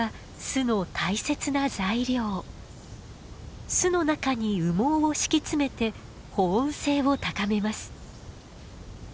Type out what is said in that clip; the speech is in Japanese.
巣の中に羽毛を敷き詰めて保温性を高めます。